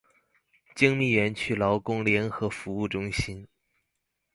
精密園區勞工聯合服務中心